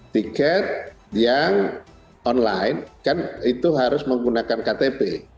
tiket yang online kan itu harus menggunakan ktp